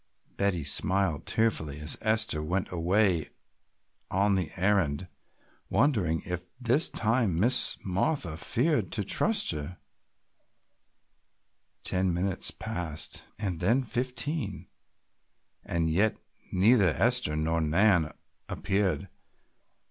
Betty smiled tearfully as Esther went away on the errand, wondering if this time Miss Martha feared to trust her. Ten minutes passed and then fifteen and yet neither Esther nor Nan appeared.